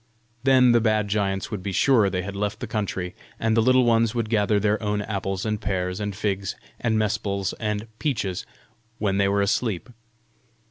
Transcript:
Then the bad giants would be sure they had left the country, and the Little Ones would gather their own apples and pears and figs and mesples and peaches when they were asleep!